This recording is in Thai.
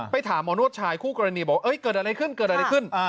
ไปถามหมอนวชชายคู่กรณีบอกว่าเกิดอะไรขึ้น